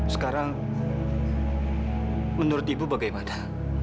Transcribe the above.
sekarang menurut ibu bagaimana